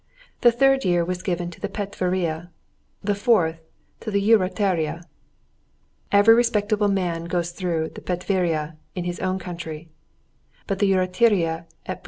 The third year was given to the patveria, the fourth year to the jurateria. Every respectable man goes through the patveria in his own country, but the jurateria at Buda Pest.